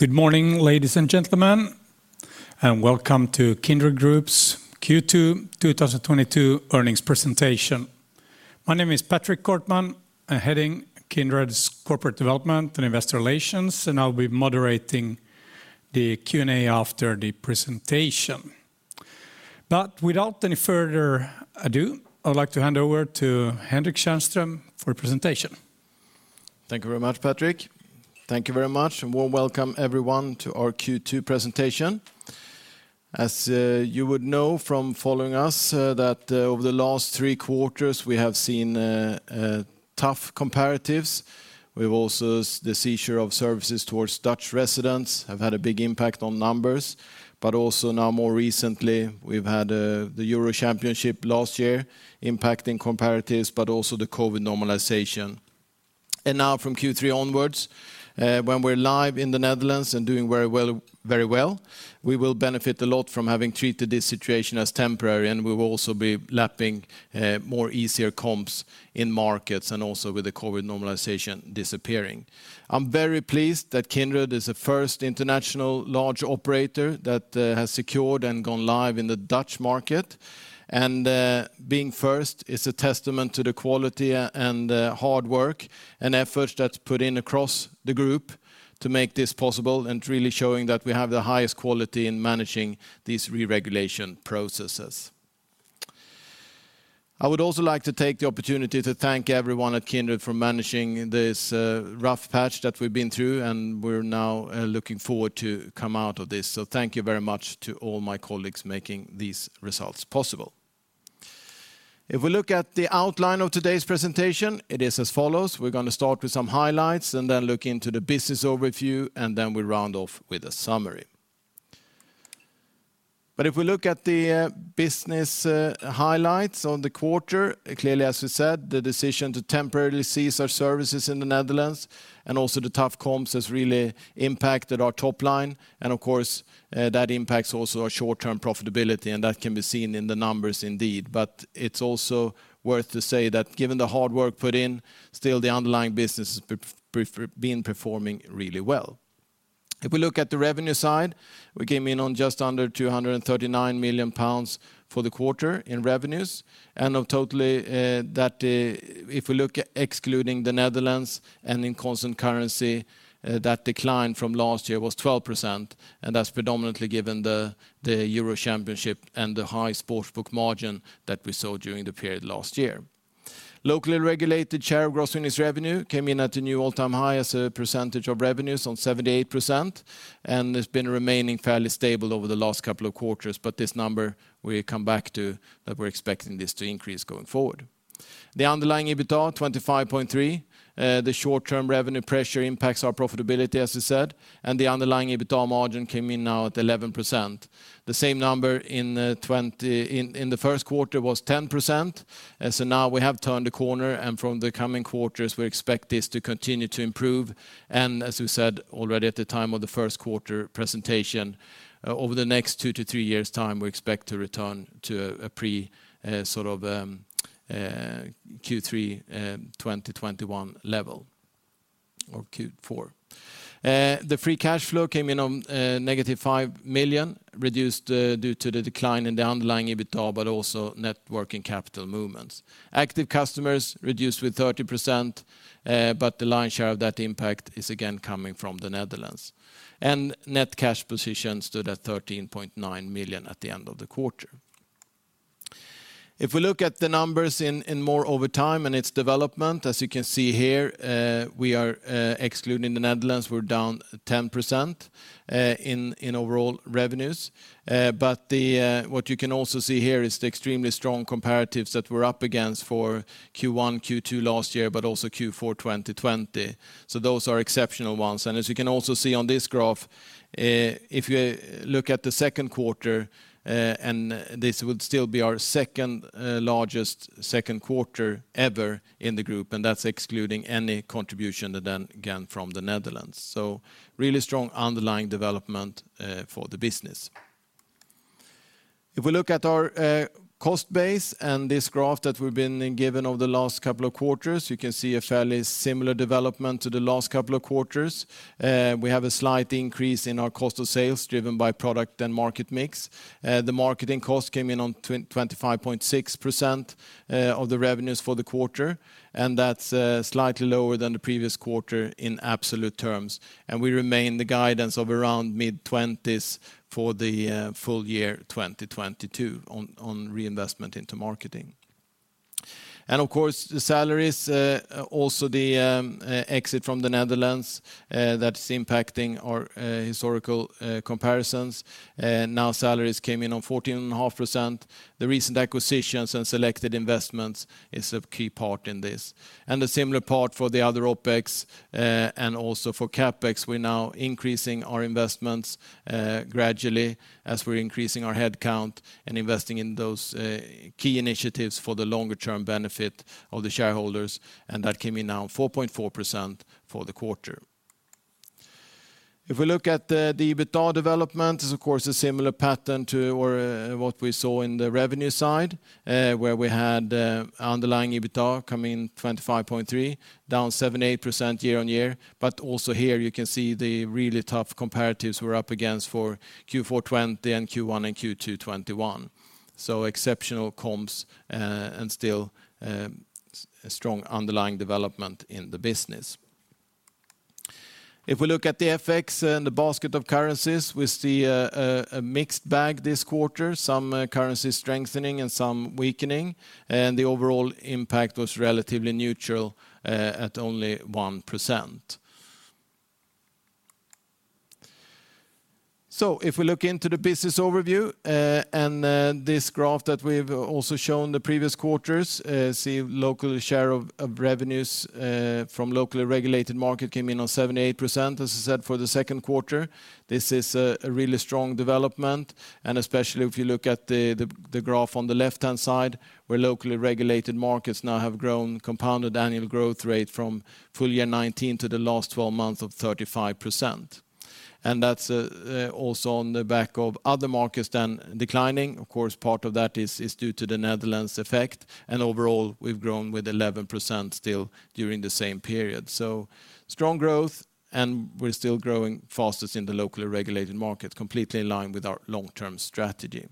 Good morning, ladies and gentlemen, and welcome to Kindred Group's Q2 2022 earnings presentation. My name is Patrick Kortman. I'm heading Kindred's Corporate Development and Investor Relations, and I'll be moderating the Q&A after the presentation. Without any further ado, I would like to hand over to Henrik Tjärnström for presentation. Thank you very much, Patrick. Thank you very much and warm welcome everyone to our Q2 presentation. As you would know from following us, that over the last three quarters, we have seen tough comparatives. The cessation of services towards Dutch residents have had a big impact on numbers. Also now more recently, we've had the Euro Championship last year impacting comparatives, but also the COVID normalization. Now from Q3 onwards, when we're live in the Netherlands and doing very well, we will benefit a lot from having treated this situation as temporary, and we will also be lapping more easier comps in markets and also with the COVID normalization disappearing. I'm very pleased that Kindred is the first international large operator that has secured and gone live in the Dutch market. Being first is a testament to the quality and hard work and effort that's put in across the group to make this possible and really showing that we have the highest quality in managing these re-regulation processes. I would also like to take the opportunity to thank everyone at Kindred for managing this rough patch that we've been through, and we're now looking forward to come out of this. Thank you very much to all my colleagues making these results possible. If we look at the outline of today's presentation, it is as follows. We're gonna start with some highlights and then look into the business overview, and then we round off with a summary. If we look at the business highlights on the quarter, clearly, as we said, the decision to temporarily cease our services in the Netherlands and also the tough comps has really impacted our top line. Of course, that impacts also our short-term profitability, and that can be seen in the numbers indeed. It's also worth to say that given the hard work put in, still the underlying business has been performing really well. If we look at the revenue side, we came in on just under 239 million pounds for the quarter in revenues. Overall, if we look at excluding the Netherlands and in constant currency, that decline from last year was 12%, and that's predominantly given the Euro Championship and the high sportsbook margin that we saw during the period last year. Locally regulated share of gross winnings revenue came in at a new all-time high as a percentage of revenues of 78%, and it's been remaining fairly stable over the last couple of quarters. This number we come back to, that we're expecting this to increase going forward. The underlying EBITDA, 25.3%. The short-term revenue pressure impacts our profitability, as we said, and the underlying EBITDA margin came in now at 11%. The same number in the first quarter was 10%. Now we have turned the corner, and from the coming quarters, we expect this to continue to improve. As we said already at the time of the first quarter presentation, over the next two-three years' time, we expect to return to a pre Q3 2021 level or Q4. The free cash flow came in on -5 million, reduced due to the decline in the underlying EBITDA, but also net working capital movements. Active customers reduced with 30%, but the lion's share of that impact is again coming from the Netherlands. Net cash position stood at 13.9 million at the end of the quarter. If we look at the numbers in more detail over time and its development, as you can see here, we are excluding the Netherlands, we're down 10% in overall revenues. What you can also see here is the extremely strong comparatives that we're up against for Q1, Q2 last year, but also Q4 2020. Those are exceptional ones. As you can also see on this graph, if you look at the second quarter, and this would still be our second largest second quarter ever in the group, and that's excluding any contribution again from the Netherlands. Really strong underlying development for the business. If we look at our cost base and this graph that we've been given over the last couple of quarters, you can see a fairly similar development to the last couple of quarters. We have a slight increase in our cost of sales driven by product and market mix. The marketing cost came in on 25.6% of the revenues for the quarter, and that's slightly lower than the previous quarter in absolute terms. We maintain the guidance of around mid-20s for the full year 2022 on reinvestment into marketing. Of course, the salaries, also the exit from the Netherlands, that's impacting our historical comparisons. Now salaries came in on 14.5%. The recent acquisitions and selected investments is a key part in this. A similar part for the other OpEx, and also for CapEx, we're now increasing our investments gradually as we're increasing our headcount and investing in those key initiatives for the longer term benefit of the shareholders, and that came in now 4.4% for the quarter. If we look at the EBITDA development, there's of course a similar pattern to what we saw in the revenue side, where we had underlying EBITDA come in 25.3%, down 78% year-on-year. Also here you can see the really tough comparatives we're up against for Q4 2020 and Q1 and Q2 2021. Exceptional comps, and still strong underlying development in the business. If we look at the FX and the basket of currencies, we see a mixed bag this quarter, some currencies strengthening and some weakening, and the overall impact was relatively neutral at only 1%. If we look into the business overview, and this graph that we've also shown the previous quarters, see local share of revenues from locally regulated market came in on 78%, as I said, for the second quarter. This is a really strong development, and especially if you look at the graph on the left-hand side, where locally regulated markets now have grown compounded annual growth rate from full year 2019 to the last twelve months of 35%. That's also on the back of other markets then declining. Of course, part of that is due to the Netherlands effect, and overall, we've grown with 11% still during the same period. Strong growth, and we're still growing fastest in the locally regulated market, completely in line with our long-term strategy.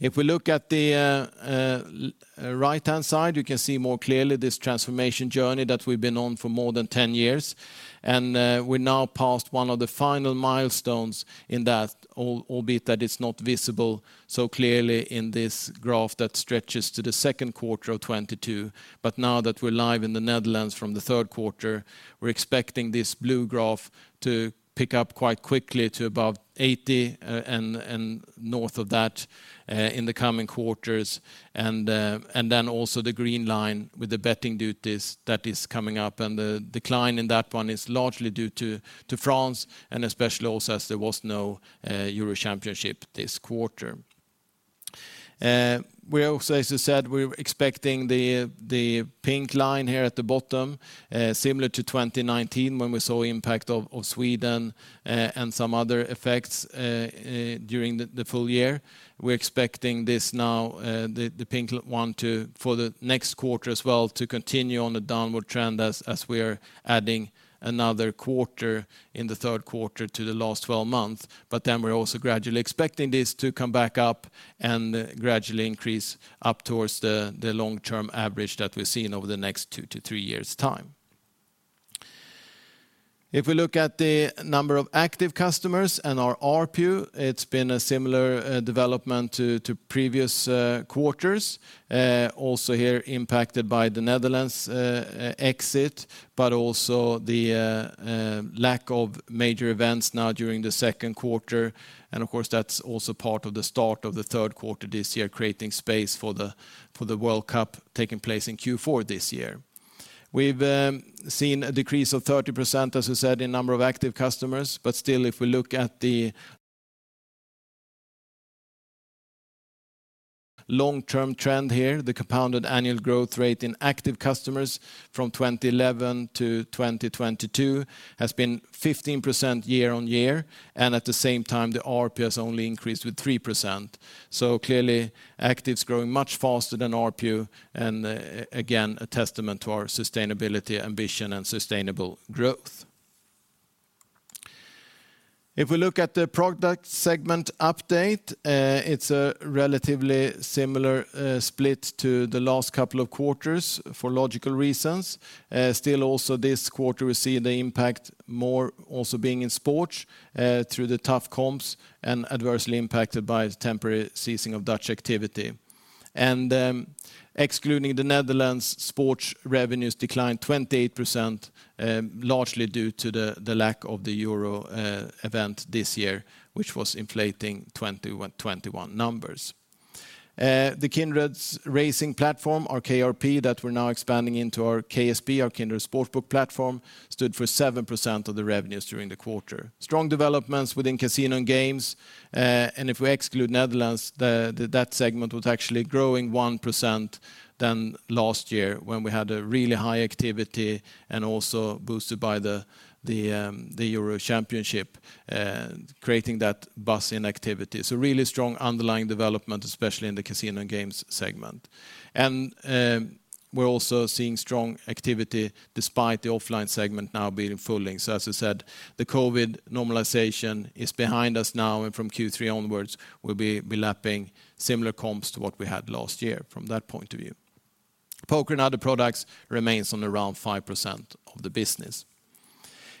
If we look at the right-hand side, you can see more clearly this transformation journey that we've been on for more than 10 years. We now passed one of the final milestones in that, albeit that it's not visible so clearly in this graph that stretches to the second quarter of 2022. Now that we're live in the Netherlands from the third quarter, we're expecting this blue graph to pick up quite quickly to above 80%, and north of that, in the coming quarters. Then also the green line with the betting duties that is coming up, and the decline in that one is largely due to France and especially also as there was no Euro Championship this quarter. We also, as I said, we're expecting the pink line here at the bottom, similar to 2019 when we saw impact of Sweden and some other effects during the full year. We're expecting this now, the pink one to for the next quarter as well to continue on a downward trend as we are adding another quarter in the third quarter to the last twelve months. We're also gradually expecting this to come back up and gradually increase up towards the long-term average that we're seeing over the next two to three years' time. If we look at the number of active customers and our ARPU, it's been a similar development to previous quarters, also here impacted by the Netherlands exit, but also the lack of major events now during the second quarter. Of course, that's also part of the start of the third quarter this year, creating space for the World Cup taking place in Q4 this year. We've seen a decrease of 30%, as I said, in number of active customers. Still, if we look at the long-term trend here, the compounded annual growth rate in active customers from 2011 to 2022 has been 15% year-on-year, and at the same time, the ARPU has only increased with 3%. Clearly, active's growing much faster than ARPU, and again, a testament to our sustainability ambition and sustainable growth. If we look at the product segment update, it's a relatively similar split to the last couple of quarters for logical reasons. Still also this quarter, we see the impact more also being in sports through the tough comps and adversely impacted by the temporary ceasing of Dutch activity. Excluding the Netherlands, sports revenues declined 28%, largely due to the lack of the Euro event this year, which was inflating 2020-2021 numbers. The Kindred's racing platform, our KRP, that we're now expanding into our KSP, our Kindred Sportsbook Platform, stood for 7% of the revenues during the quarter. Strong developments within casino and games, and if we exclude the Netherlands, that segment was actually growing 1% from last year when we had a really high activity and also boosted by the Euro Championship, creating that buzz in activity. Really strong underlying development, especially in the casino and games segment. We're also seeing strong activity despite the offline segment now being fully. As I said, the COVID normalization is behind us now, and from Q3 onwards, we'll be lapping similar comps to what we had last year from that point of view. Poker and other products remains on around 5% of the business.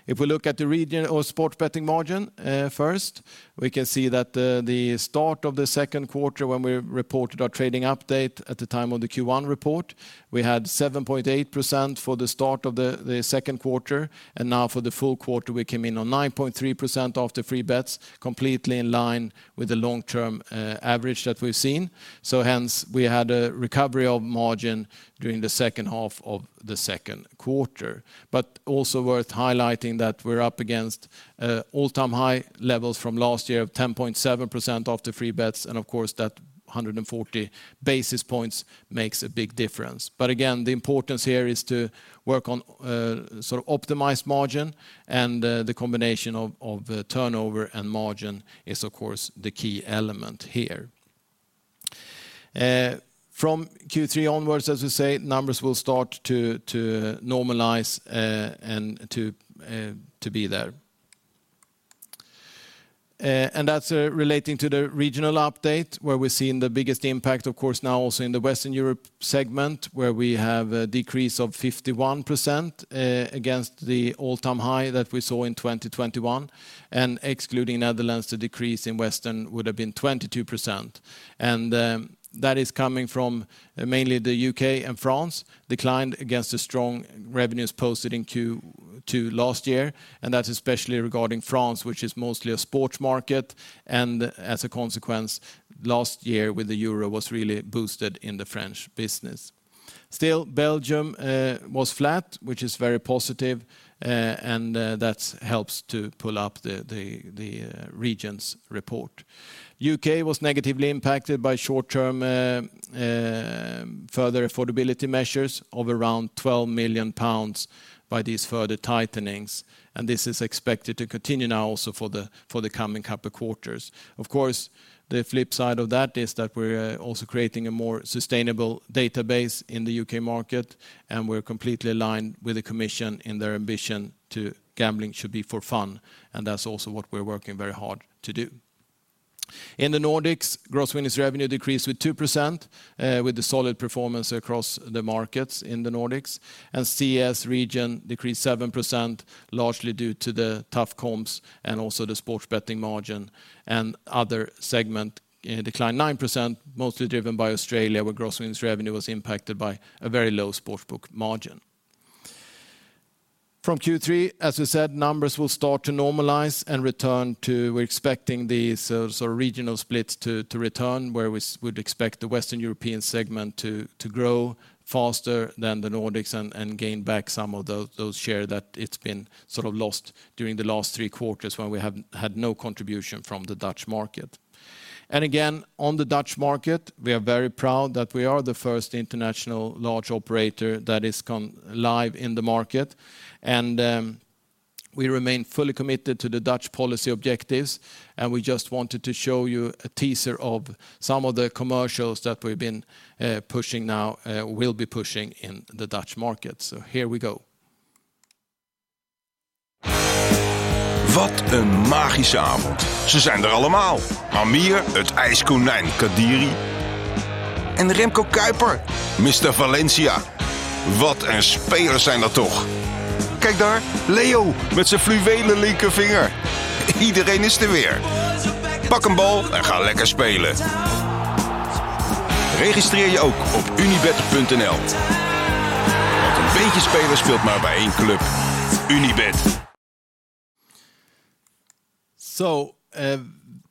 If we look at the regional sports betting margin, first, we can see that the start of the second quarter when we reported our trading update at the time of the Q1 report, we had 7.8% for the start of the second quarter, and now for the full quarter, we came in on 9.3% after free bets, completely in line with the long-term average that we've seen. Hence, we had a recovery of margin during the second half of the second quarter. Also worth highlighting that we're up against all-time high levels from last year of 10.7% after free bets, and of course, that 140 basis points makes a big difference. Again, the importance here is to work on sort of optimized margin and the combination of turnover and margin is of course the key element here. From Q3 onwards, as we say, numbers will start to normalize and to be there. And that's relating to the regional update where we're seeing the biggest impact, of course, now also in the Western Europe segment, where we have a decrease of 51% against the all-time high that we saw in 2021. Excluding Netherlands, the decrease in Western would've been 22%. That is coming from mainly the U.K. and France declined against the strong revenues posted in Q2 last year. That's especially regarding France, which is mostly a sports market. As a consequence, last year with the Euro was really boosted in the French business. Still, Belgium was flat, which is very positive. That helps to pull up the regions report. U.K. was negatively impacted by short-term further affordability measures of around 12 million pounds by these further tightenings. This is expected to continue now also for the coming couple quarters. Of course, the flip side of that is that we're also creating a more sustainable database in the U.K. market, and we're completely aligned with the commission in their ambition to gambling should be for fun, and that's also what we're working very hard to do. In the Nordics, gross winnings revenue decreased with 2%, with the solid performance across the markets in the Nordics. CS region decreased 7%, largely due to the tough comps and also the sports betting margin, and other segment declined 9%, mostly driven by Australia, where gross winnings revenue was impacted by a very low sportsbook margin. From Q3, as we said, numbers will start to normalize and return to. We're expecting these sort of regional splits to return, where we would expect the Western European segment to grow faster than the Nordics and gain back some of those share that it's been sort of lost during the last three quarters when we have had no contribution from the Dutch market. Again, on the Dutch market, we are very proud that we are the first international large operator that is come live in the market. We remain fully committed to the Dutch policy objectives, and we just wanted to show you a teaser of some of the commercials that we've been pushing now, will be pushing in the Dutch market. Here we go.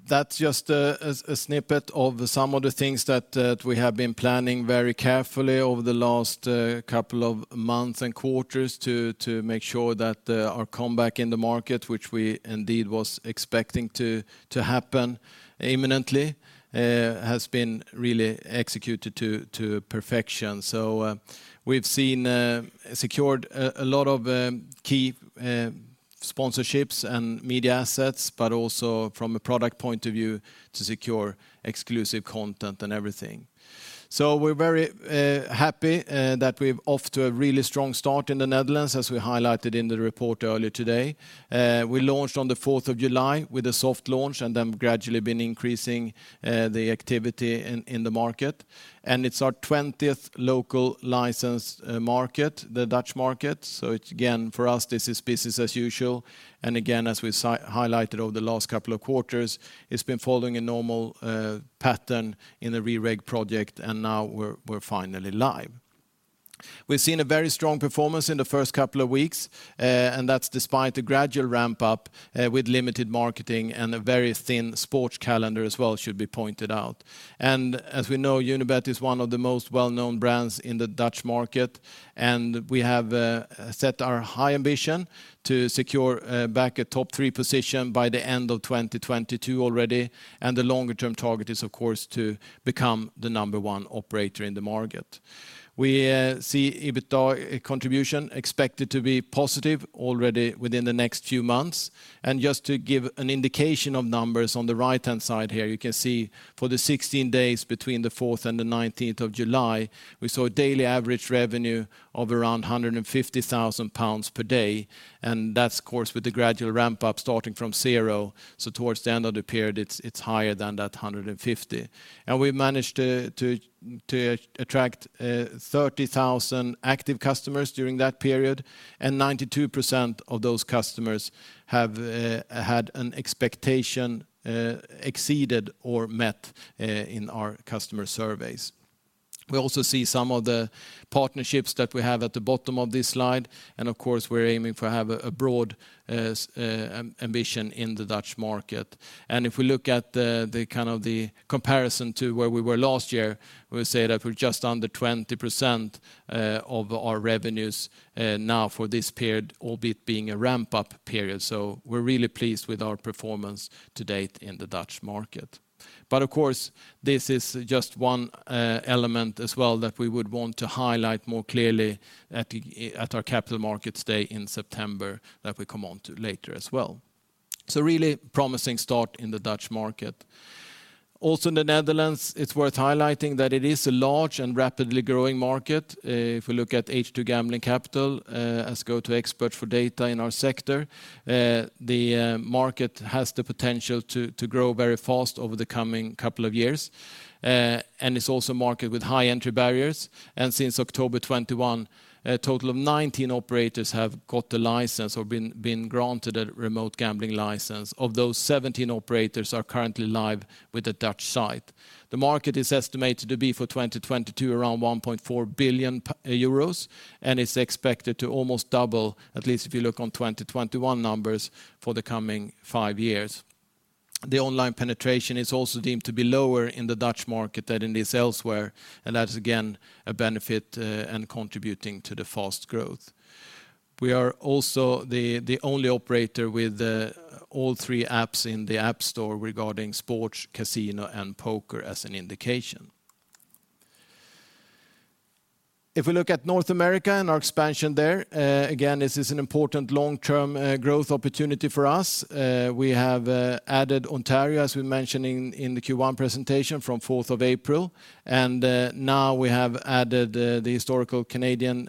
That's just a snippet of some of the things that we have been planning very carefully over the last couple of months and quarters to make sure that our comeback in the market, which we indeed was expecting to happen imminently, has been really executed to perfection. We've secured a lot of key sponsorships and media assets, but also from a product point of view to secure exclusive content and everything. We're very happy that we're off to a really strong start in the Netherlands, as we highlighted in the report earlier today. We launched on the fourth of July with a soft launch, and then gradually been increasing the activity in the market. It's our 20th local licensed market, the Dutch market. It's again, for us, this is business as usual. Again, as we highlighted over the last couple of quarters, it's been following a normal pattern in the re-regulation project, and now we're finally live. We've seen a very strong performance in the first couple of weeks, and that's despite the gradual ramp up with limited marketing and a very thin sports calendar as well, should be pointed out. As we know, Unibet is one of the most well-known brands in the Dutch market, and we have set our high ambition to secure back a top three position by the end of 2022 already. The longer term target is, of course, to become the number one operator in the market. We see EBITDA contribution expected to be positive already within the next few months. Just to give an indication of numbers, on the right-hand side here, you can see for the 16 days between the fourth and the 19th of July, we saw a daily average revenue of around 150,000 pounds per day. That's of course with the gradual ramp up starting from zero, so towards the end of the period, it's higher than that 150. We managed to attract 30,000 active customers during that period, and 92% of those customers have had an expectation exceeded or met in our customer surveys. We also see some of the partnerships that we have at the bottom of this slide, and of course, we're aiming to have a broad ambition in the Dutch market. If we look at the kind of the comparison to where we were last year, we say that we're just under 20% of our revenues now for this period, albeit being a ramp-up period. We're really pleased with our performance to date in the Dutch market. Of course, this is just one element as well that we would want to highlight more clearly at our Capital Markets Day in September that we come on to later as well. Really promising start in the Dutch market. Also in the Netherlands, it's worth highlighting that it is a large and rapidly growing market. If we look at H2 Gambling Capital as go-to expert for data in our sector, the market has the potential to grow very fast over the coming couple of years. And it's also a market with high entry barriers. Since October 2021, a total of 19 operators have got the license or been granted a remote gambling license. Of those, 17 operators are currently live with a Dutch site. The market is estimated to be for 2022 around 1.4 billion euros, and it's expected to almost double, at least if you look on 2021 numbers, for the coming five years. The online penetration is also deemed to be lower in the Dutch market than it is elsewhere, and that's again a benefit, and contributing to the fast growth. We are also the only operator with all three apps in the App Store regarding sports, casino, and poker as an indication. If we look at North America and our expansion there, again, this is an important long-term growth opportunity for us. We have added Ontario, as we mentioned in the Q1 presentation, from fourth of April. Now we have added the historical Canadian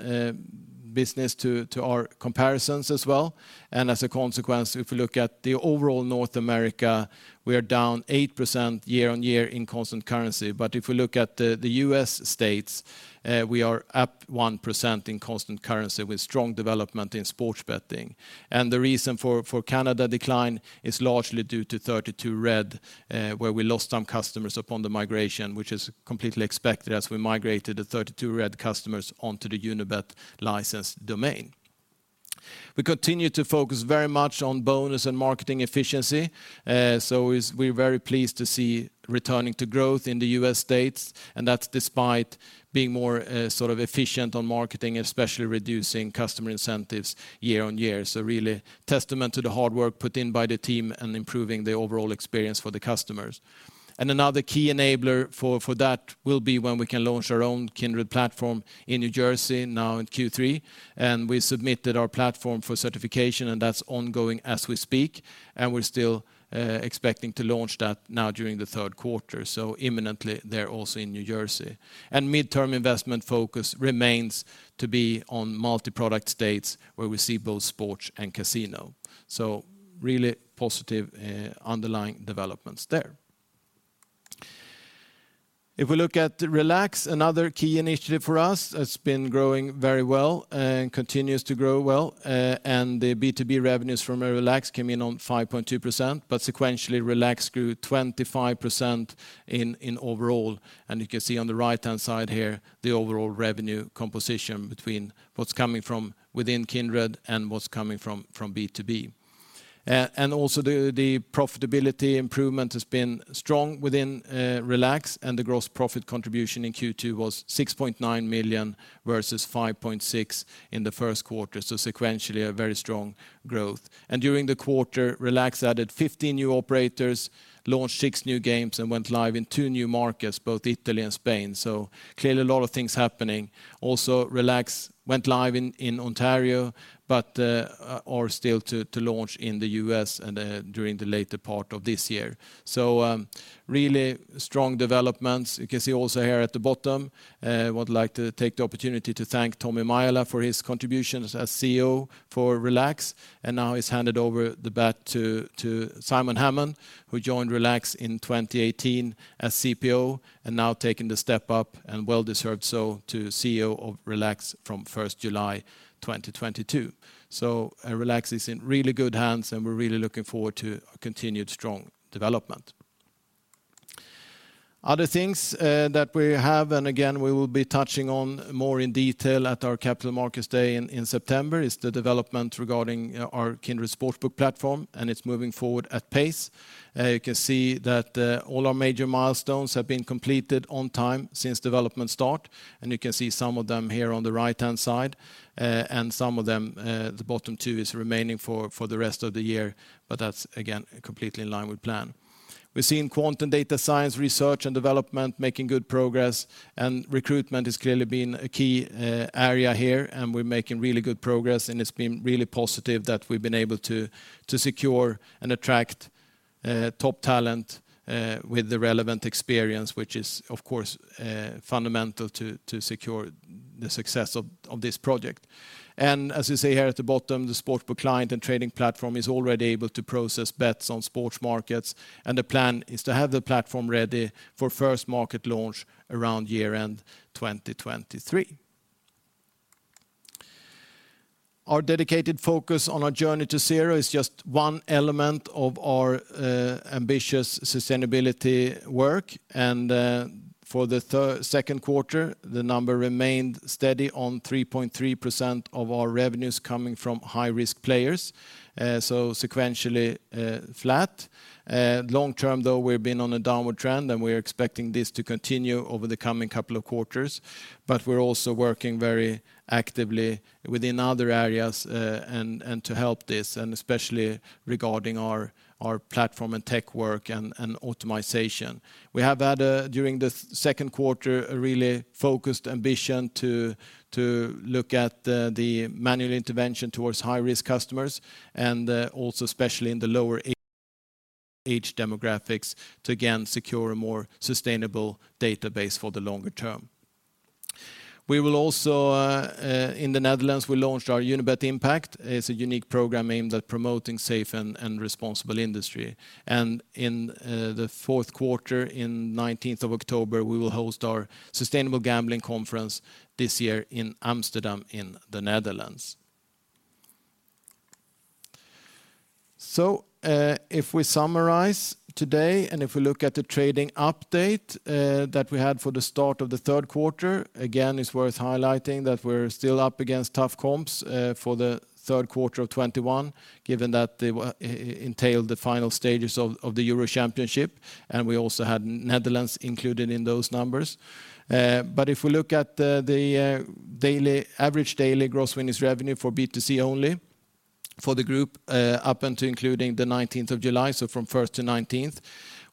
business to our comparisons as well. As a consequence, if you look at the overall North America, we are down 8% year-on-year in constant currency. If we look at the U.S. states, we are up 1% in constant currency with strong development in sports betting. The reason for Canada decline is largely due to 32Red, where we lost some customers upon the migration, which is completely expected as we migrated the 32Red customers onto the Unibet licensed domain. We continue to focus very much on bonus and marketing efficiency, we're very pleased to see returning to growth in the U.S. states, and that's despite being more sort of efficient on marketing, especially reducing customer incentives year-on-year. Really testament to the hard work put in by the team and improving the overall experience for the customers. Another key enabler for that will be when we can launch our own Kindred platform in New Jersey now in Q3, and we submitted our platform for certification, and that's ongoing as we speak, and we're still expecting to launch that now during the third quarter. Imminently there also in New Jersey. Midterm investment focus remains to be on multi-product states where we see both sports and casino. Really positive underlying developments there. If we look at Relax, another key initiative for us that's been growing very well and continues to grow well, and the B2B revenues from Relax came in on 5.2%, but sequentially Relax grew 25% in overall. You can see on the right-hand side here the overall revenue composition between what's coming from within Kindred and what's coming from B2B. The profitability improvement has been strong within Relax, and the gross profit contribution in Q2 was 6.9 million versus 5.6 million in the first quarter, so sequentially a very strong growth. During the quarter, Relax added 15 new operators, launched six new games, and went live in two new markets, both Italy and Spain. Clearly a lot of things happening. Also, Relax went live in Ontario, but are still to launch in the U.S. and during the later part of this year. Really strong developments. You can see also here at the bottom, would like to take the opportunity to thank Tommi Maijala for his contributions as CEO of Relax Gaming, and now he's handed over the baton to Simon Hammon, who joined Relax Gaming in 2018 as CPO and now taking the step up, and well-deserved so, to CEO of Relax Gaming from first July 2022. Relax is in really good hands, and we're really looking forward to continued strong development. Other things that we have, and again, we will be touching on more in detail at our Capital Markets Day in September, is the development regarding our Kindred Sportsbook Platform, and it's moving forward at pace. You can see that all our major milestones have been completed on time since development start, and you can see some of them here on the right-hand side, and some of them, the bottom two is remaining for the rest of the year, but that's again completely in line with plan. We're seeing Quantum data science research and development making good progress, and recruitment has clearly been a key area here, and we're making really good progress, and it's been really positive that we've been able to secure and attract top talent with the relevant experience, which is of course fundamental to secure the success of this project. As you see here at the bottom, the Sportsbook client and trading platform is already able to process bets on sports markets, and the plan is to have the platform ready for first market launch around year-end 2023. Our dedicated focus on our journey to zero is just one element of our ambitious sustainability work, and for the second quarter, the number remained steady on 3.3% of our revenues coming from high-risk players, so sequentially flat. Long term though, we've been on a downward trend, and we're expecting this to continue over the coming couple of quarters. We're also working very actively within other areas, and to help this, and especially regarding our platform and tech work and optimization. We have had during the second quarter a really focused ambition to look at the manual intervention towards high-risk customers and also especially in the lower age demographics to again secure a more sustainable database for the longer term. We will also in the Netherlands we launched our Unibet Impact. It's a unique program aimed at promoting safe and responsible industry. In the fourth quarter, in 19th of October, we will host our Sustainable Gambling Conference this year in Amsterdam, in the Netherlands. If we summarize today, and if we look at the trading update that we had for the start of the third quarter, again, it's worth highlighting that we're still up against tough comps for the third quarter of 2021, given that they entailed the final stages of the Euro championship, and we also had Netherlands included in those numbers. If we look at the average daily gross winnings revenue for B2C only for the group, up until including the 19th of July, so from first to 19th,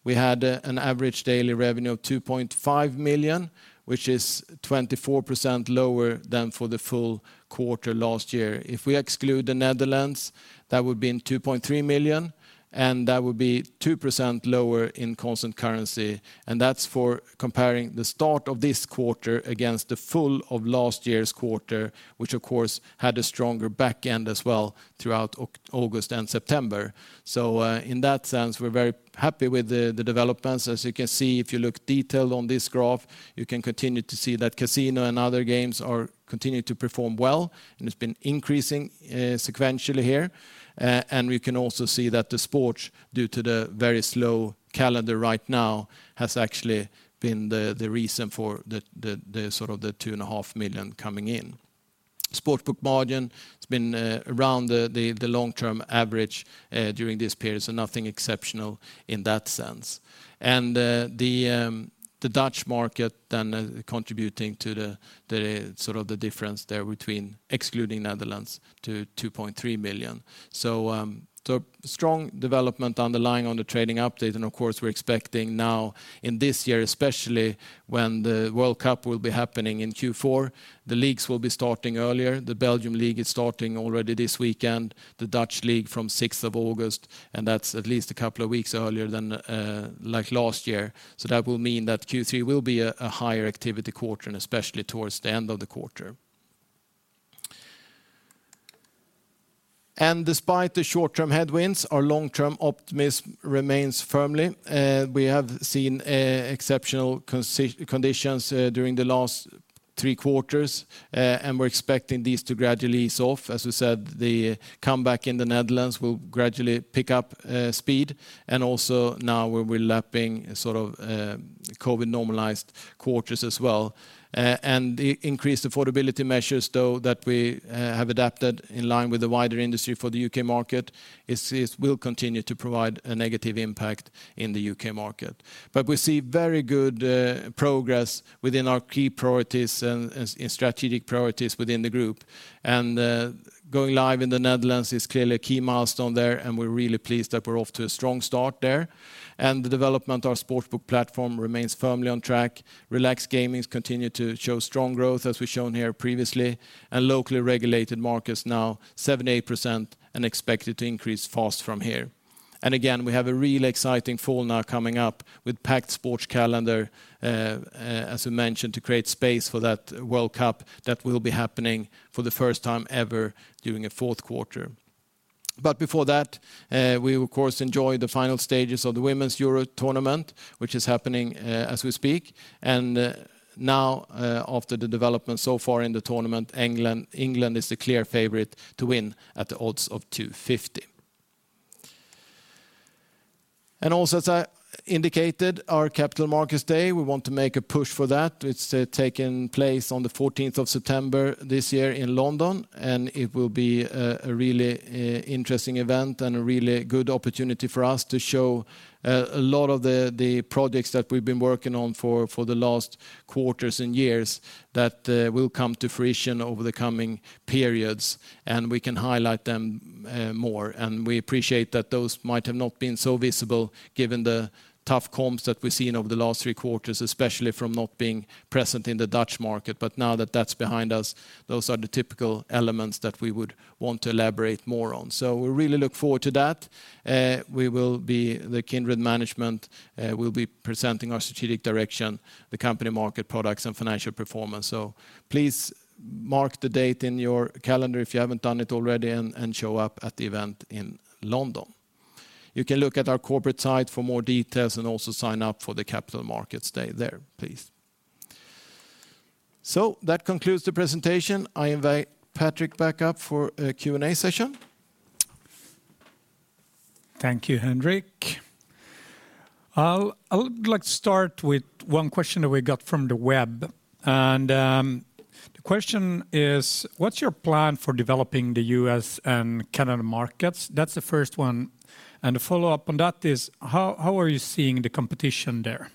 we had an average daily revenue of 2.5 million, which is 24% lower than for the full quarter last year. If we exclude the Netherlands, that would have been 2.3 million, and that would be 2% lower in constant currency. That's for comparing the start of this quarter against the full of last year's quarter, which of course had a stronger back end as well throughout August and September. In that sense, we're very happy with the developments. As you can see, if you look detailed on this graph, you can continue to see that casino and other games are continuing to perform well, and it's been increasing sequentially here. We can also see that the sports, due to the very slow calendar right now, has actually been the reason for the sort of 2.5 million coming in. Sportsbook margin, it's been around the long-term average during this period, so nothing exceptional in that sense. The Dutch market then contributing to the difference there between excluding Netherlands to 2.3 million. Strong underlying development on the trading update. Of course, we're expecting now in this year, especially when the World Cup will be happening in Q4, the leagues will be starting earlier. The Belgian Pro League is starting already this weekend, the Eredivisie from sixth of August, and that's at least a couple of weeks earlier than last year. That will mean that Q3 will be a higher activity quarter, and especially towards the end of the quarter. Despite the short-term headwinds, our long-term optimism remains firmly. We have seen exceptional conditions during the last three quarters, and we're expecting these to gradually ease off. As we said, the comeback in the Netherlands will gradually pick up speed. Also now we're lapping sort of COVID normalized quarters as well. The increased affordability measures, though, that we have adapted in line with the wider industry for the U.K. market, it seems will continue to provide a negative impact in the U.K. market. We see very good progress within our key priorities and strategic priorities within the group. Going live in the Netherlands is clearly a key milestone there, and we're really pleased that we're off to a strong start there. The development of our sportsbook platform remains firmly on track. Relax Gaming has continued to show strong growth, as we've shown here previously, and locally regulated markets now 78% and expected to increase fast from here. Again, we have a really exciting fall now coming up with packed sports calendar, as we mentioned, to create space for that World Cup that will be happening for the first time ever during a fourth quarter. Before that, we of course enjoy the final stages of the Women's Euro tournament, which is happening as we speak. Now, after the development so far in the tournament, England is the clear favorite to win at the odds of 250. Also, as I indicated, our Capital Markets Day, we want to make a push for that. It's taking place on the fourteenth of September this year in London, and it will be a really interesting event and a really good opportunity for us to show a lot of the projects that we've been working on for the last quarters and years that will come to fruition over the coming periods, and we can highlight them more. We appreciate that those might have not been so visible given the tough comps that we've seen over the last three quarters, especially from not being present in the Dutch market. Now that that's behind us, those are the typical elements that we would want to elaborate more on. We really look forward to that. The Kindred management will be presenting our strategic direction, the company market products, and financial performance. Please mark the date in your calendar if you haven't done it already, and show up at the event in London. You can look at our corporate site for more details and also sign up for the Capital Markets Day there, please. That concludes the presentation. I invite Patrick back up for a Q&A session. Thank you, Henrik. I would like to start with one question that we got from the web. The question is, what's your plan for developing the U.S. and Canada markets? That's the first one. The follow-up on that is, how are you seeing the competition there?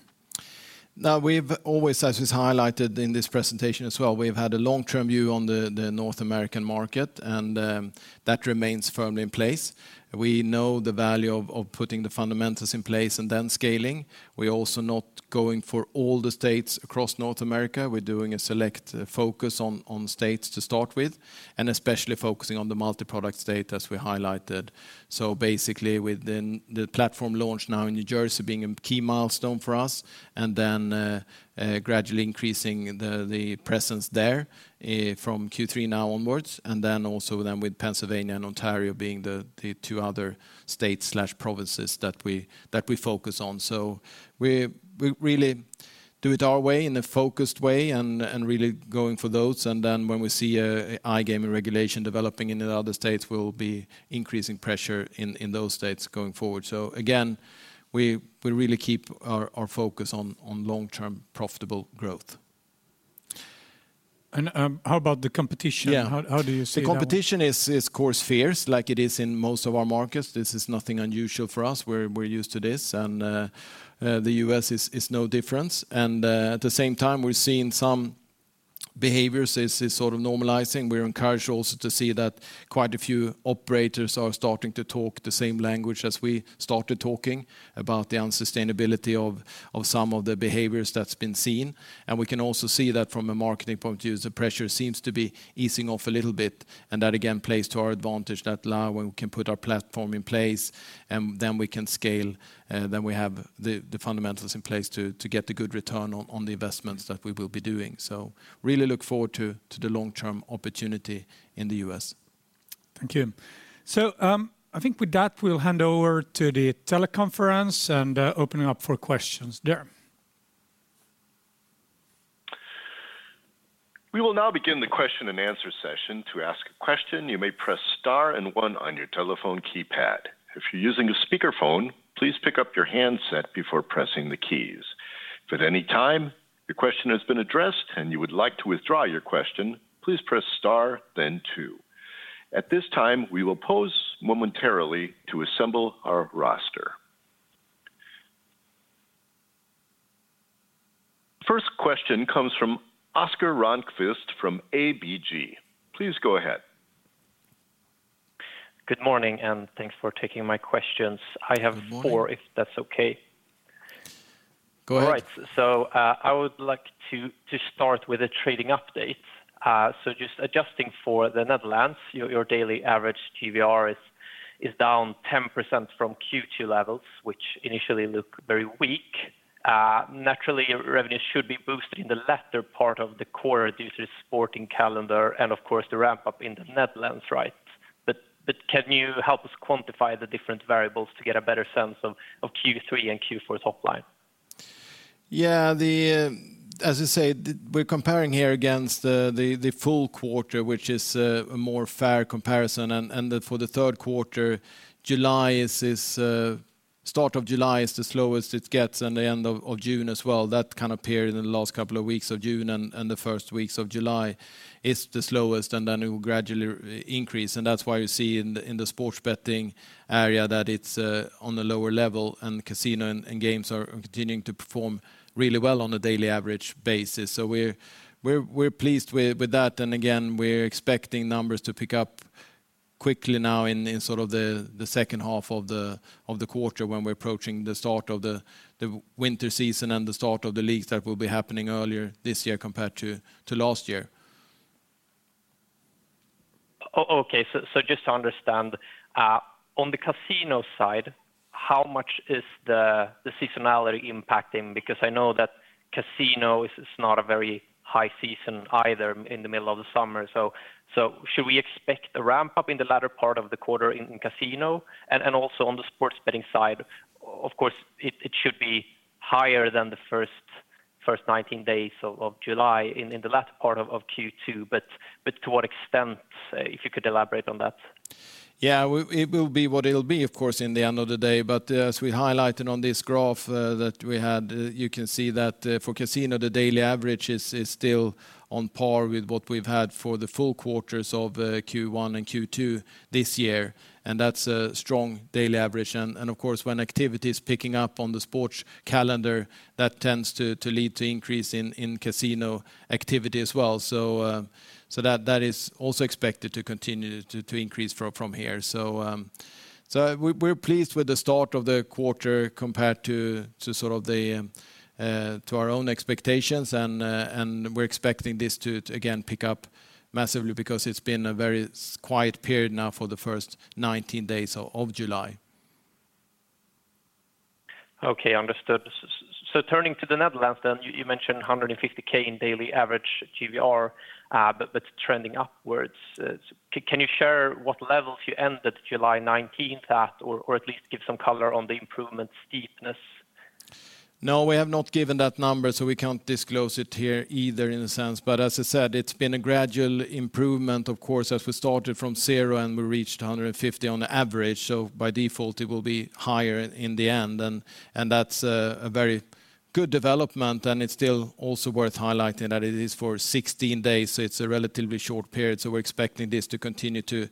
Now we've always, as is highlighted in this presentation as well, we've had a long-term view on the North American market, and that remains firmly in place. We know the value of putting the fundamentals in place and then scaling. We're also not going for all the states across North America. We're doing a select focus on states to start with, and especially focusing on the multi-product state as we highlighted. Basically, within the platform launch now in New Jersey being a key milestone for us, and then gradually increasing the presence there from Q3 now onwards. Then also with Pennsylvania and Ontario being the two other states/provinces that we focus on. We're really do it our way in a focused way and really going for those. When we see a iGaming regulation developing in the other states, we'll be increasing pressure in those states going forward. Again, we really keep our focus on long-term profitable growth. How about the competition? Yeah. How do you see that? The competition is of course fierce like it is in most of our markets. This is nothing unusual for us. We're used to this and the U.S. is no different. At the same time, we've seen some behaviors is sort of normalizing. We're encouraged also to see that quite a few operators are starting to talk the same language as we started talking about the unsustainability of some of the behaviors that's been seen. We can also see that from a marketing point of view, the pressure seems to be easing off a little bit. That again plays to our advantage that now we can put our platform in place, and then we can scale, then we have the fundamentals in place to get the good return on the investments that we will be doing. Really look forward to the long-term opportunity in the U.S. Thank you. I think with that, we'll hand over to the teleconference and open it up for questions there. We will now begin the question-and-answer session. To ask a question, you may press star and one on your telephone keypad. If you're using a speakerphone, please pick up your handset before pressing the keys. If at any time your question has been addressed and you would like to withdraw your question, please press star then two. At this time, we will pause momentarily to assemble our roster. First question comes from Oscar Rönnkvist from ABG. Please go ahead. Good morning, and thanks for taking my questions. Good morning. I have four, if that's okay. Go ahead. All right. I would like to start with a trading update. Just adjusting for the Netherlands, your daily average GWR is down 10% from Q2 levels, which initially look very weak. Naturally revenue should be boosted in the latter part of the quarter due to the sporting calendar and of course the ramp up in the Netherlands, right? Can you help us quantify the different variables to get a better sense of Q3 and Q4 top line? Yeah. As you say, we're comparing here against the full quarter, which is a more fair comparison. For the third quarter, the start of July is the slowest it gets and the end of June as well. That kind of period in the last couple of weeks of June and the first weeks of July is the slowest, and then it will gradually increase. That's why you see in the sports betting area that it's on the lower level, and casino and games are continuing to perform really well on a daily average basis. We're pleased with that. Again, we're expecting numbers to pick up quickly now in sort of the second half of the quarter when we're approaching the start of the winter season and the start of the leagues that will be happening earlier this year compared to last year. Okay. Just to understand, on the casino side, how much is the seasonality impacting? Because I know that casino is not a very high season either in the middle of the summer. Should we expect a ramp up in the latter part of the quarter in casino? Also on the sports betting side, of course, it should be higher than the first 19 days of July in the latter part of Q2, but to what extent, if you could elaborate on that. Yeah. Well, it will be what it will be, of course, in the end of the day. As we highlighted on this graph that we had, you can see that for casino, the daily average is still on par with what we've had for the full quarters of Q1 and Q2 this year. That's a strong daily average. Of course, when activity is picking up on the sports calendar, that tends to lead to increase in casino activity as well. That is also expected to continue to increase from here. We're pleased with the start of the quarter compared to sort of our own expectations. We're expecting this to again pick up massively because it's been a very quiet period now for the first 19 days of July. Turning to the Netherlands then, you mentioned 150K in daily average GWR, but that's trending upwards. Can you share what levels you ended July 19th at or at least give some color on the improvement steepness? No, we have not given that number, so we can't disclose it here either in a sense. As I said, it's been a gradual improvement, of course, as we started from zero and we reached 150 on average. By default, it will be higher in the end. That's a very good development, and it's still also worth highlighting that it is for 16 days, so it's a relatively short period. We're expecting this to continue to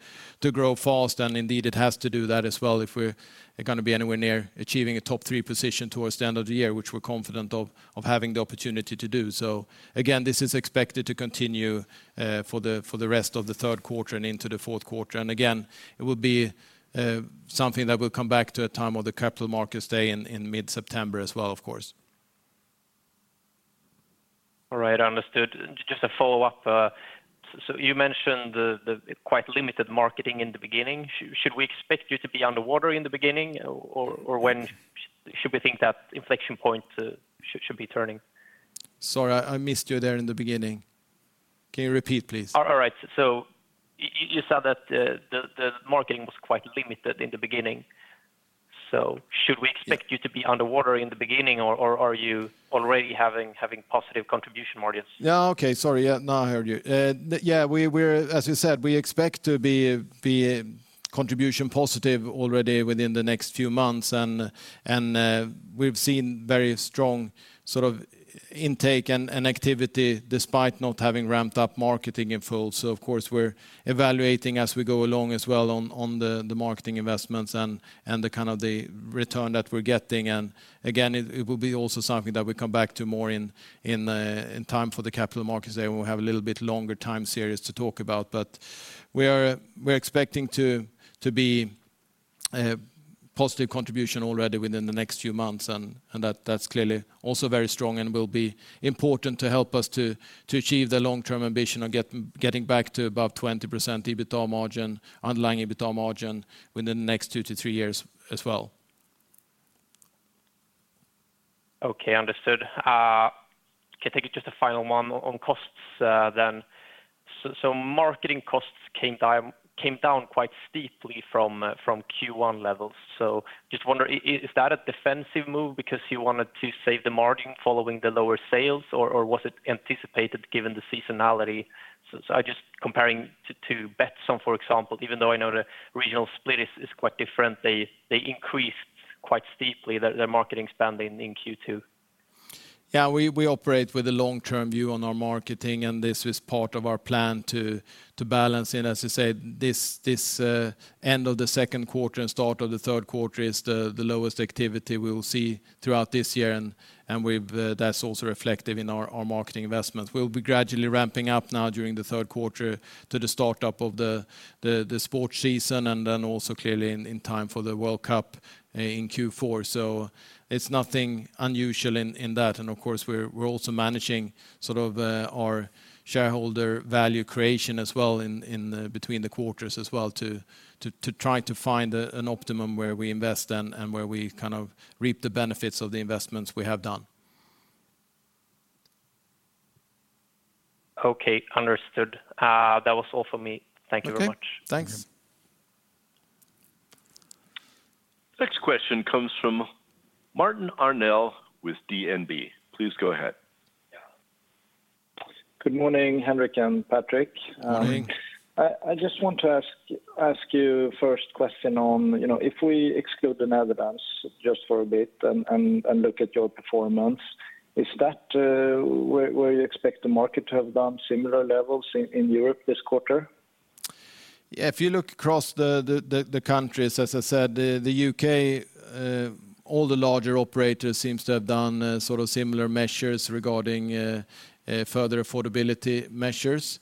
grow fast. Indeed, it has to do that as well if we're gonna be anywhere near achieving a top three position towards the end of the year, which we're confident of having the opportunity to do. Again, this is expected to continue for the rest of the third quarter and into the fourth quarter. Again, it will be something that we'll come back to at time of the Capital Markets Day in mid-September as well, of course. All right, understood. Just a follow-up. You mentioned the quite limited marketing in the beginning. Should we expect you to be underwater in the beginning? Or when should we think that inflection point should be turning? Sorry, I missed you there in the beginning. Can you repeat, please? All right. You said that the marketing was quite limited in the beginning. Should we expect you to be underwater in the beginning, or are you already having positive contribution margins? Yeah. Okay, sorry. Yeah, now I heard you. Yeah, we're as you said, we expect to be contribution positive already within the next few months. We've seen very strong sort of intake and activity despite not having ramped up marketing in full. Of course, we're evaluating as we go along as well on the marketing investments and the kind of return that we're getting. It will be also something that we come back to more in time for the Capital Markets Day when we have a little bit longer time series to talk about. We're expecting to be positive contribution already within the next few months, and that's clearly also very strong and will be important to help us to achieve the long-term ambition of getting back to above 20% EBITDA margin, underlying EBITDA margin within the next two to three years as well. Okay, understood. Can I take just a final one on costs, then? Marketing costs came down quite steeply from Q1 levels. Just wonder is that a defensive move because you wanted to save the margin following the lower sales, or was it anticipated given the seasonality? Just comparing to Betsson, for example, even though I know the regional split is quite different, they increased quite steeply their marketing spending in Q2. Yeah. We operate with a long-term view on our marketing, and this was part of our plan to balance. As you said, this end of the second quarter and start of the third quarter is the lowest activity we will see throughout this year. That's also reflective in our marketing investments. We'll be gradually ramping up now during the third quarter to the start of the sports season and then also clearly in time for the World Cup in Q4. It's nothing unusual in that. Of course, we're also managing sort of our shareholder value creation as well in between the quarters as well to try to find an optimum where we invest and where we kind of reap the benefits of the investments we have done. Okay, understood. That was all for me. Thank you very much. Okay. Thanks. Next question comes from Martin Arnell with DNB. Please go ahead. Good morning, Henrik and Patrick. Morning. I just want to ask you first question on, you know, if we exclude the Netherlands just for a bit and look at your performance, is that where you expect the market to have done similar levels in Europe this quarter? Yeah. If you look across the countries, as I said, the U.K., all the larger operators seems to have done sort of similar measures regarding further affordability measures.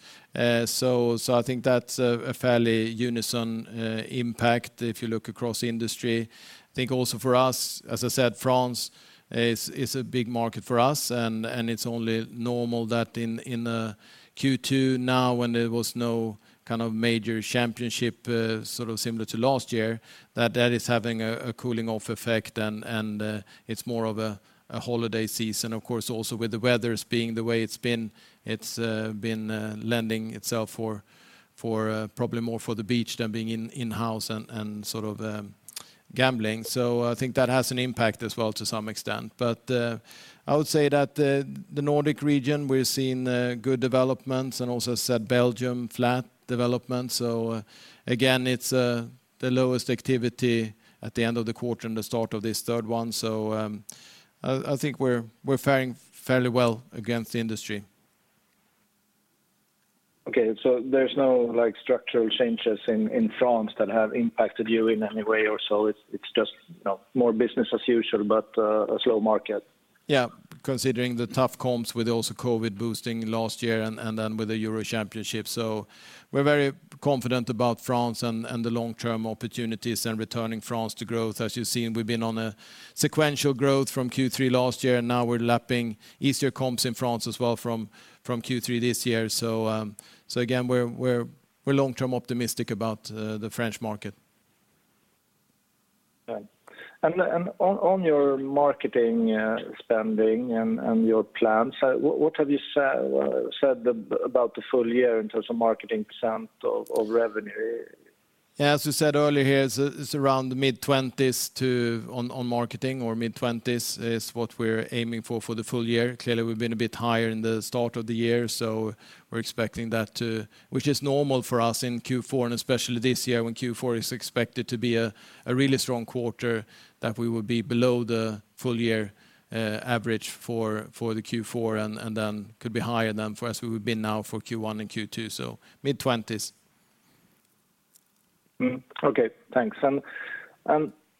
So I think that's a fairly unison impact if you look across the industry. I think also for us, as I said, France is a big market for us, and it's only normal that in Q2 now, when there was no kind of major championship sort of similar to last year, that is having a cooling off effect. It's more of a holiday season. Of course, also with the weather being the way it's been, it's been lending itself for probably more for the beach than being in-house and sort of gambling. I think that has an impact as well to some extent. I would say that the Nordic region, we're seeing good developments. Also in Belgium, flat development. Again, it's the lowest activity at the end of the quarter and the start of this third one. I think we're faring fairly well against the industry. Okay. There's no, like, structural changes in France that have impacted you in any way or so. It's just, you know, more business as usual, but a slow market. Yeah. Considering the tough comps with also COVID boosting last year and then with the Euro championship. We're very confident about France and the long-term opportunities and returning France to growth. As you've seen, we've been on a sequential growth from Q3 last year, and now we're lapping easier comps in France as well from Q3 this year. Again, we're long-term optimistic about the French market. Right. On your marketing spending and your plans, so what have you said about the full year in terms of marketing percent of revenue? Yeah. As we said earlier here, it's around the mid-20s on marketing, or mid-20s is what we're aiming for the full year. Clearly, we've been a bit higher in the start of the year, so we're expecting that. Which is normal for us in Q4, and especially this year when Q4 is expected to be a really strong quarter, that we will be below the full year average for Q4 and then could be higher than for Q1 and Q2, as we've been now, so mid-20s. Okay, thanks.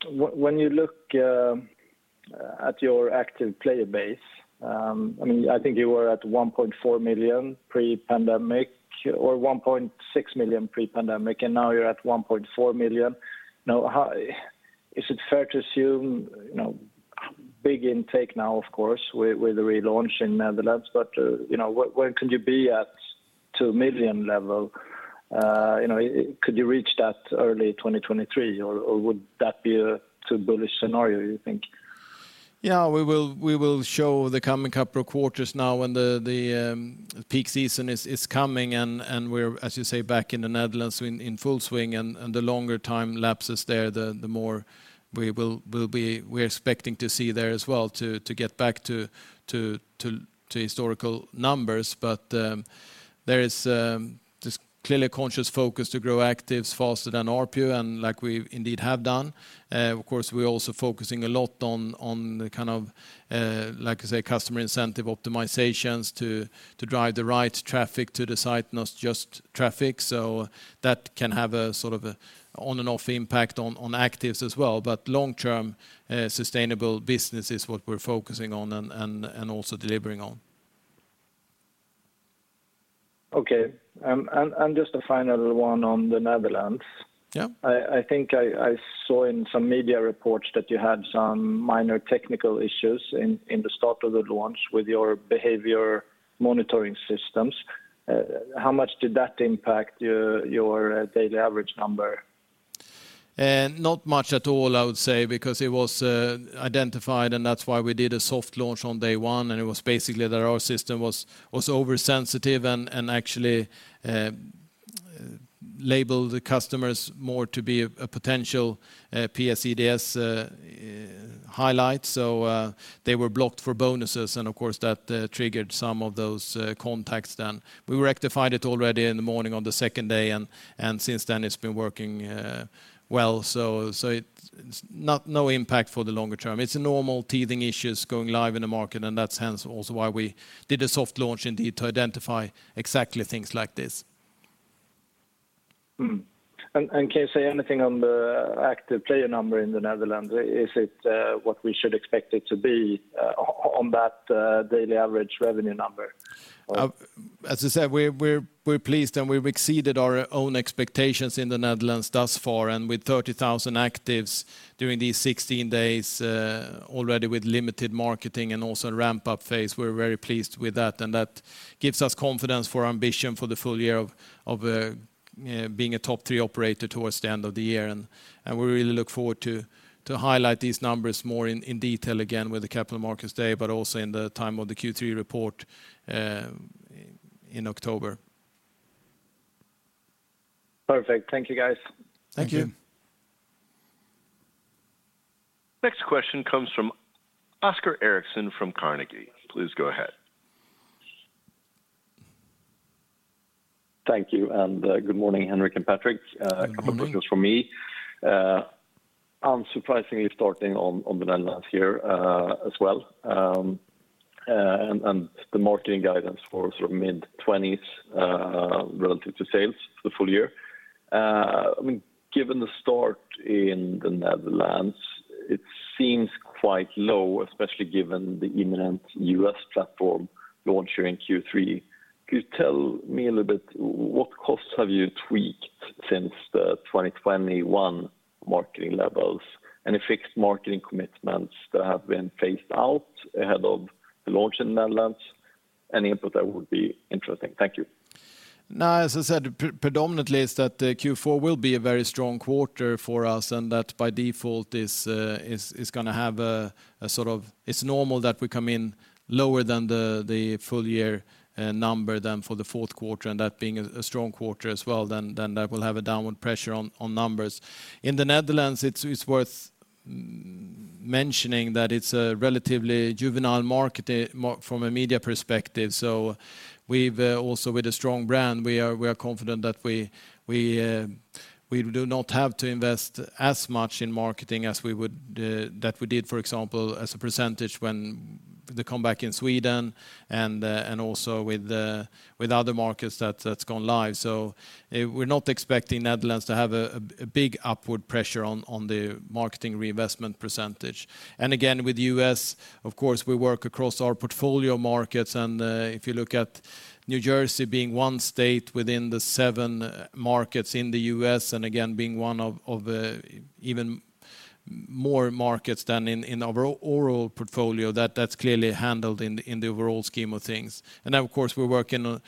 When you look at your active player base, I mean, I think you were at 1.4 million pre-pandemic, or 1.6 million pre-pandemic, and now you're at 1.4 million. Is it fair to assume, you know, big intake now, of course, with the relaunch in the Netherlands, but, you know, when could you be at two million level? You know, could you reach that early 2023 or would that be too bullish scenario you think? Yeah, we will show the coming couple of quarters now when the peak season is coming and we're as you say back in the Netherlands in full swing and the longer time lapses there, the more we will be expecting to see there as well to get back to historical numbers. There is just clearly a conscious focus to grow actives faster than ARPU and like we indeed have done. Of course, we're also focusing a lot on the kind of like I say customer incentive optimizations to drive the right traffic to the site, not just traffic. That can have a sort of on and off impact on actives as well. Long-term, sustainable business is what we're focusing on and also delivering on. Okay. Just a final one on the Netherlands. Yeah. I think I saw in some media reports that you had some minor technical issues in the start of the launch with your behavior monitoring systems. How much did that impact your daily average number? Not much at all, I would say, because it was identified, and that's why we did a soft launch on day one, and it was basically that our system was oversensitive and actually labeled the customers more to be a potential PS-EDS highlight. They were blocked for bonuses, and of course, that triggered some of those contacts then. We rectified it already in the morning on the second day, and since then it's been working well. It's no impact for the longer term. It's a normal teething issues going live in the market, and that's hence also why we did a soft launch indeed to identify exactly things like this. Mm-hmm. Can you say anything on the active player number in the Netherlands? Is it what we should expect it to be on that daily average revenue number? As I said, we're pleased, and we've exceeded our own expectations in the Netherlands thus far. With 30,000 actives during these 16 days, already with limited marketing and also ramp-up phase, we're very pleased with that. That gives us confidence for our ambition for the full year of being a top three operator towards the end of the year. We really look forward to highlight these numbers more in detail again with the Capital Markets Day, but also in the time of the Q3 report in October. Perfect. Thank you, guys. Thank you. Next question comes from Oskar Eriksson from Carnegie. Please go ahead. Thank you, and good morning, Henrik and Patrick. Mm-hmm. A couple of questions from me. Unsurprisingly, starting on the Netherlands here, as well, and the marketing guidance for sort of mid-twenties, relative to sales for the full year. I mean, given the start in the Netherlands, it seems quite low, especially given the imminent U.S. platform launch here in Q3. Could you tell me a little bit what costs have you tweaked since the 2021 marketing levels? Any fixed marketing commitments that have been phased out ahead of the launch in the Netherlands? Any input there would be interesting. Thank you. As I said, predominantly is that Q4 will be a very strong quarter for us, and that by default is gonna have. It's normal that we come in lower than the full year number than for the fourth quarter, and that being a strong quarter as well, that will have a downward pressure on numbers. In the Netherlands, it's worth mentioning that it's a relatively juvenile market from a media perspective. We've also with a strong brand, we are confident that we do not have to invest as much in marketing as we would that we did, for example, as a percentage when the comeback in Sweden and also with the other markets that's gone live. We're not expecting Netherlands to have a big upward pressure on the marketing reinvestment percentage. Again, with U.S., of course, we work across our portfolio markets and if you look at New Jersey being one state within the seven markets in the U.S., and again, being one of even more markets than in our overall portfolio, that's clearly handled in the overall scheme of things. Of course, we're working on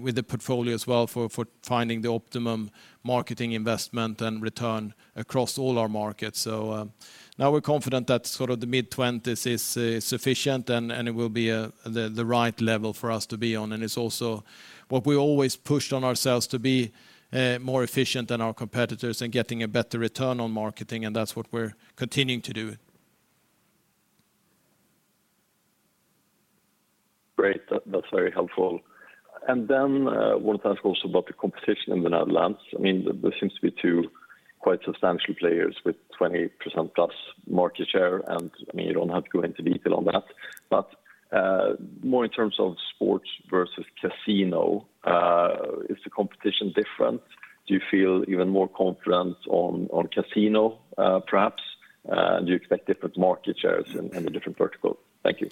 with the portfolio as well for finding the optimum marketing investment and return across all our markets. Now we're confident that sort of the mid-20s is sufficient and it will be the right level for us to be on. It's also what we always pushed on ourselves to be more efficient than our competitors in getting a better return on marketing, and that's what we're continuing to do. Great. That's very helpful. One task also about the competition in the Netherlands. I mean, there seems to be two quite substantial players with 20%+ market share. I mean, you don't have to go into detail on that, but, more in terms of sports versus casino, is the competition different? Do you feel even more confident on casino, perhaps? Do you expect different market shares in the different verticals? Thank you.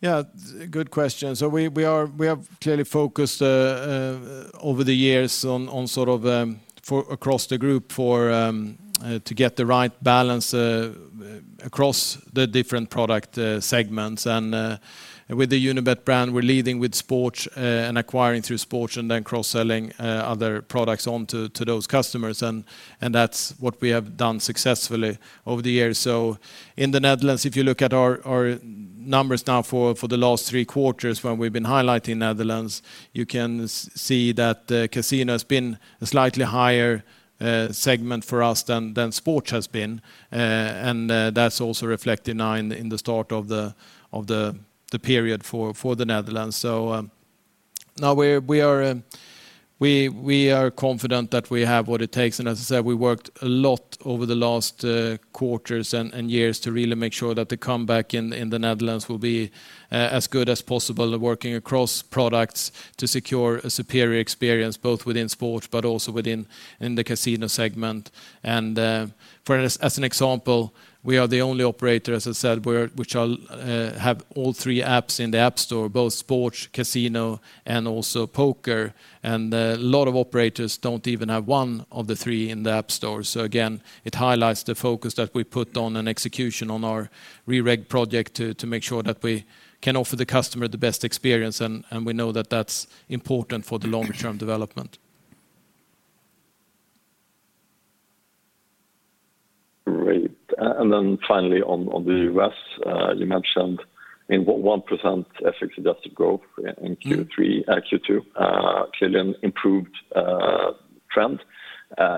Yeah, good question. We have clearly focused over the years on sort of across the group to get the right balance across the different product segments. With the Unibet brand, we're leading with sports and acquiring through sports and then cross-selling other products onto those customers. That's what we have done successfully over the years. In the Netherlands, if you look at our numbers now for the last three quarters when we've been highlighting Netherlands, you can see that casino has been a slightly higher segment for us than sports has been. That's also reflected now in the start of the period for the Netherlands. We are confident that we have what it takes. As I said, we worked a lot over the last quarters and years to really make sure that the comeback in the Netherlands will be as good as possible working across products to secure a superior experience, both within sports but also in the casino segment. As an example, we are the only operator, as I said, which have all three apps in the App Store, both sports, casino, and also poker. A lot of operators don't even have one of the three in the App Store. Again, it highlights the focus that we put on and execution on our re-regulation project to make sure that we can offer the customer the best experience, and we know that that's important for the long-term development. Great. Finally on the U.S., you mentioned 1.1% FX-adjusted growth in Q3. Mm-hmm Q2, clearly an improved trend.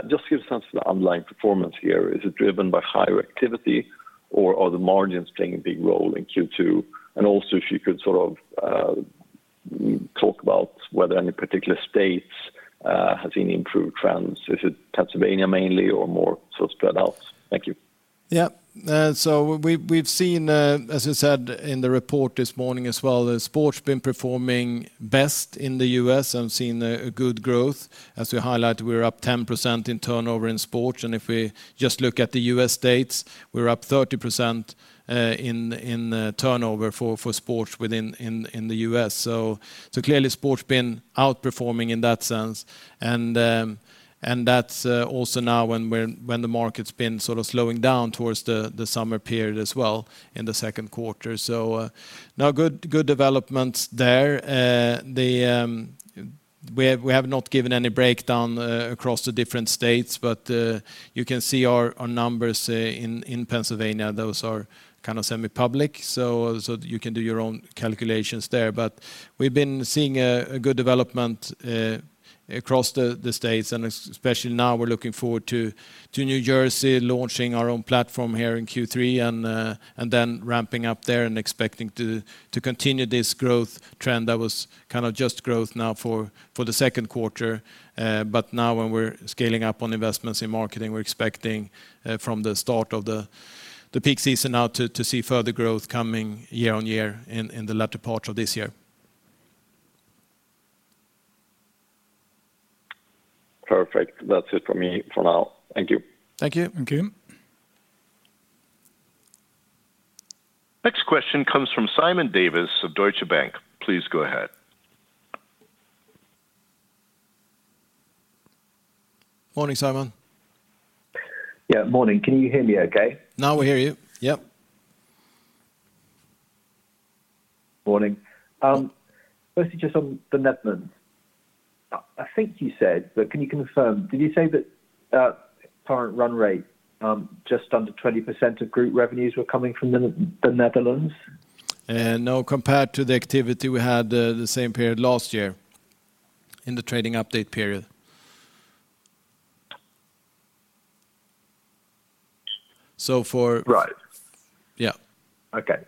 Just give a sense of the underlying performance here. Is it driven by higher activity or are the margins playing a big role in Q2? Also if you could sort of talk about whether any particular states have seen improved trends. Is it Pennsylvania mainly or more so spread out? Thank you. We've seen, as I said in the report this morning as well, sports been performing best in the U.S. and seen a good growth. As we highlighted, we're up 10% in turnover in sports, and if we just look at the U.S. data, we're up 30% in turnover for sports within the U.S. So clearly sports been outperforming in that sense. And that's also now when the market's been sort of slowing down towards the summer period as well in the second quarter. Good developments there. We have not given any breakdown across the different states, but you can see our numbers in Pennsylvania, those are kind of semi-public. You can do your own calculations there. We've been seeing a good development across the States, and especially now we're looking forward to New Jersey launching our own platform here in Q3 and then ramping up there and expecting to continue this growth trend that was kind of just growth now for the second quarter. Now when we're scaling up on investments in marketing, we're expecting from the start of the peak season now to see further growth coming year-on-year in the latter part of this year. Perfect. That's it for me for now. Thank you. Thank you. Thank you. Next question comes from Simon Davies of Deutsche Bank. Please go ahead. Morning, Simon. Yeah, morning. Can you hear me okay? Now we hear you. Yep. Morning. Firstly just on the Netherlands. I think you said, but can you confirm, did you say that at current run rate, just under 20% of group revenues were coming from the Netherlands? No. Compared to the activity we had, the same period last year in the trading update period. Right. Yeah. Okay.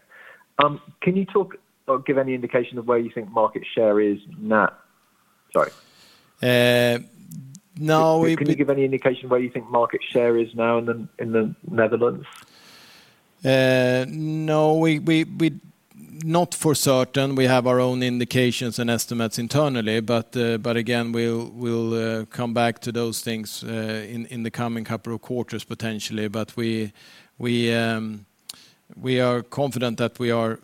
Can you talk or give any indication of where you think market share is now? Sorry. No. Can you give any indication of where you think market share is now in the Netherlands? No. Not for certain. We have our own indications and estimates internally, but again, we'll come back to those things in the coming couple of quarters, potentially. We are confident that we are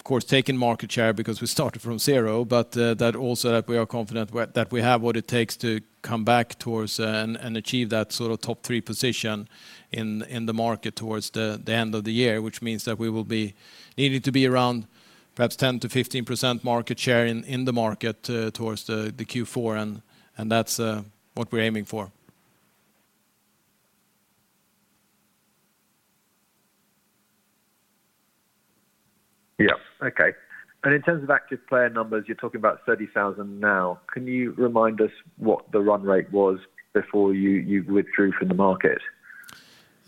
of course taking market share because we started from zero, but that we are confident that we have what it takes to come back towards and achieve that sort of top three position in the market towards the end of the year, which means that we will be needing to be around perhaps 10%-15% market share in the market towards the Q4, and that's what we're aiming for. Yeah. Okay. In terms of active player numbers, you're talking about 30,000 now. Can you remind us what the run rate was before you withdrew from the market?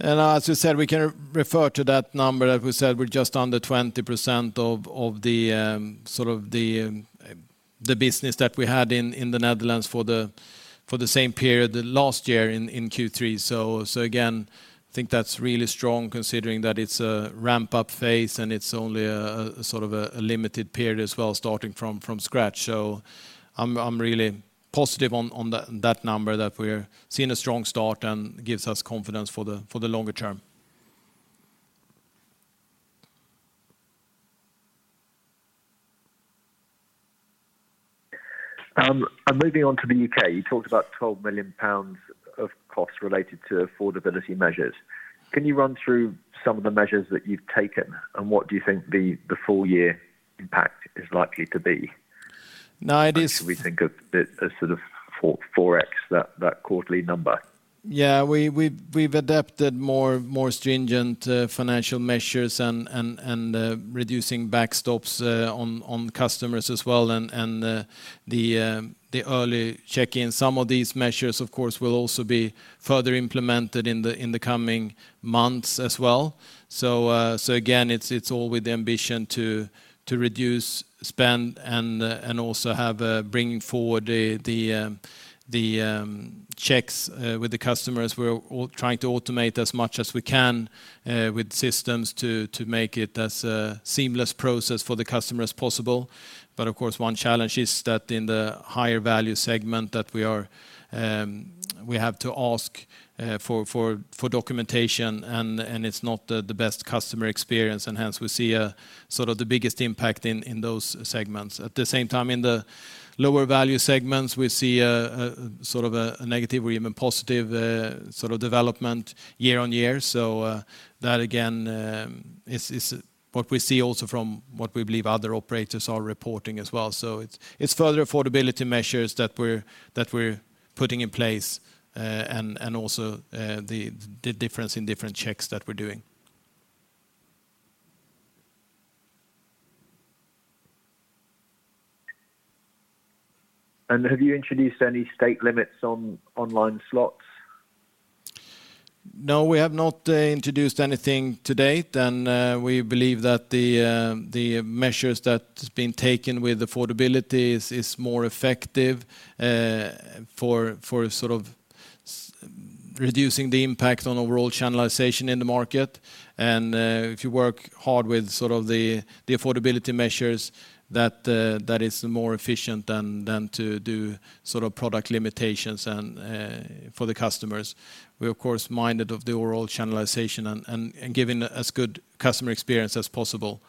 As we said, we can refer to that number. As we said, we're just under 20% of the sort of the business that we had in the Netherlands for the same period last year in Q3. Again, I think that's really strong considering that it's a ramp-up phase and it's only a sort of a limited period as well starting from scratch. I'm really positive on that number that we're seeing a strong start and gives us confidence for the longer term. Moving on to the U.K., you talked about 12 million pounds of costs related to affordability measures. Can you run through some of the measures that you've taken, and what do you think the full year impact is likely to be? No, it is. Can we think of it as sort of 4x that quarterly number? Yeah. We've adapted more stringent financial measures and reducing backstops on customers as well, and the early check-ins. Some of these measures, of course, will also be further implemented in the coming months as well. Again, it's all with the ambition to reduce spend and also have bringing forward the checks with the customers. We're all trying to automate as much as we can with systems to make it as a seamless process for the customer as possible. Of course one challenge is that in the higher value segment that we are, we have to ask for documentation and it's not the best customer experience, and hence we see sort of the biggest impact in those segments. At the same time, in the lower value segments, we see a sort of negative or even positive sort of development year on year. That again is what we see also from what we believe other operators are reporting as well. It's further affordability measures that we're putting in place, and also the difference in different checks that we're doing. Have you introduced any stake limits on online slots? No, we have not introduced anything to date. We believe that the measures that's been taken with affordability is more effective for sort of reducing the impact on overall channelization in the market. If you work hard with sort of the affordability measures that is more efficient than to do sort of product limitations and for the customers. We're of course minded of the overall channelization and giving as good customer experience as possible.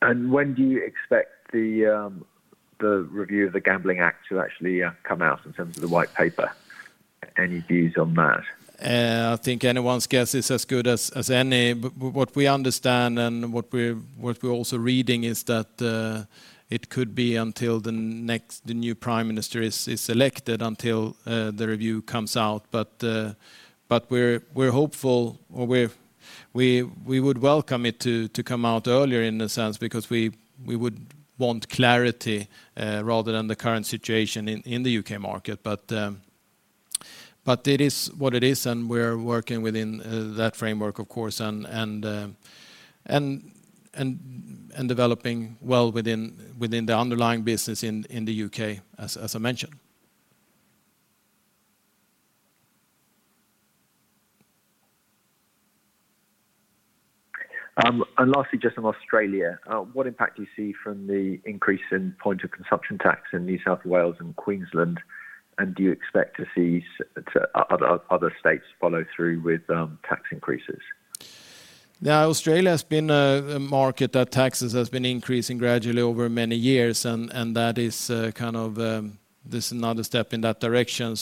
When do you expect the review of the Gambling Act to actually come out in terms of the white paper? Any views on that? I think anyone's guess is as good as any. What we understand and what we're also reading is that it could be until the new Prime Minister is elected until the review comes out. We're hopeful or we would welcome it to come out earlier in a sense because we would want clarity rather than the current situation in the U.K. market. It is what it is, and we're working within that framework of course and developing well within the underlying business in the U.K., as I mentioned. Lastly, just on Australia, what impact do you see from the increase in point of consumption tax in New South Wales and Queensland? Do you expect to see other states follow through with tax increases? Australia has been a market that taxes has been increasing gradually over many years and that is kind of this is another step in that direction.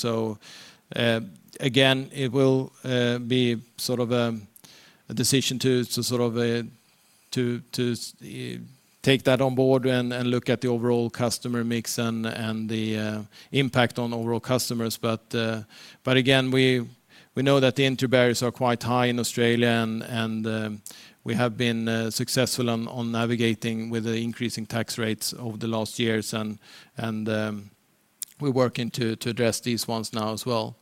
Again, it will be sort of a decision to sort of take that on board and look at the overall customer mix and the impact on overall customers. Again, we know that the entry barriers are quite high in Australia and we have been successful on navigating with the increasing tax rates over the last years and we're working to address these ones now as well.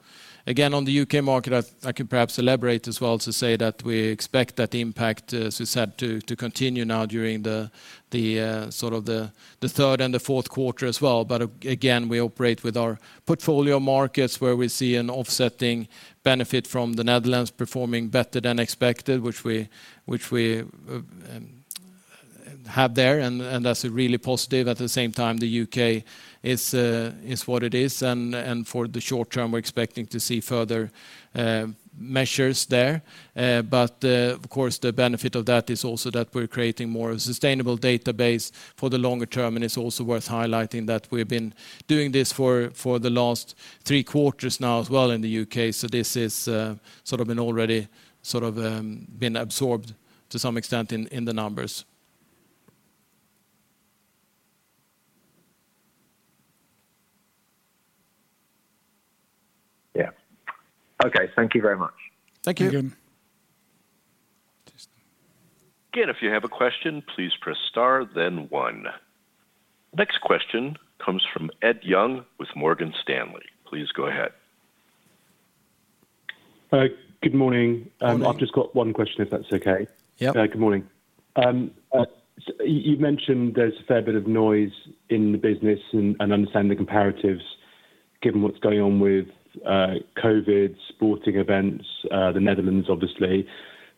Again, on the U.K. market, I could perhaps elaborate as well to say that we expect that the impact, as we said, to continue now during the third and the fourth quarter as well. We operate with our portfolio markets where we see an offsetting benefit from the Netherlands performing better than expected, which we have there. That's really positive. At the same time the U.K. is what it is and for the short term, we're expecting to see further measures there. Of course, the benefit of that is also that we're creating more sustainable database for the longer term. It's also worth highlighting that we've been doing this for the last three quarters now as well in the U.K. This is sort of already been absorbed to some extent in the numbers. Yeah. Okay. Thank you very much. Thank you. Yeah. Again, if you have a question, please press star then one. Next question comes from Ed Young with Morgan Stanley. Please go ahead. Good morning. Morning. I've just got one question, if that's okay. Yeah. Good morning. You've mentioned there's a fair bit of noise in the business and understanding the comparatives given what's going on with COVID, sporting events, the Netherlands obviously.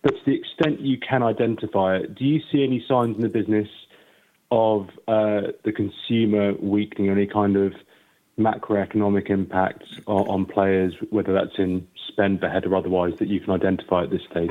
To the extent you can identify it, do you see any signs in the business? Of the consumer weakening, any kind of macroeconomic impacts on players, whether that's in spend per head or otherwise that you can identify at this stage?